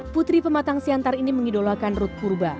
putri pematang siantar ini mengidolakan rut kurba